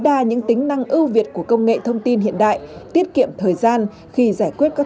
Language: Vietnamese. đa những tính năng ưu việt của công nghệ thông tin hiện đại tiết kiệm thời gian khi giải quyết các